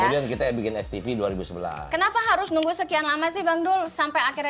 dua ribu dua ribu tujuh ya kita bikin ftv dua ribu sebelas kenapa harus nunggu sekian lama sih bangdul sampai akhirnya